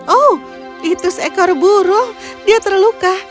oh itu seekor burung dia terluka